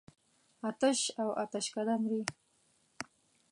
آتش او آتشکده مري.